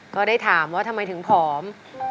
ก็ได้ถามว่าทำไมถึงผอม